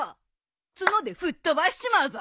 角で吹っ飛ばしちまうぞ。